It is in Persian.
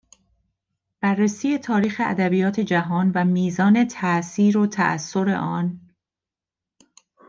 بررسی تاریخ ادبیات جهان و میزان تاثیر و تاثر آن